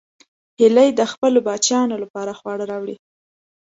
هیلۍ د خپلو بچیانو لپاره خواړه راوړي